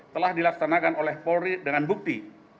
telah dilaksanakan oleh polri dengan bukti